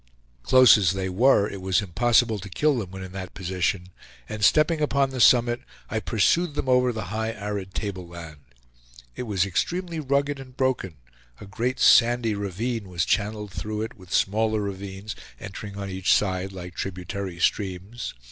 Close as they were, it was impossible to kill them when in that position, and stepping upon the summit I pursued them over the high arid tableland. It was extremely rugged and broken; a great sandy ravine was channeled through it, with smaller ravines entering on each side like tributary streams.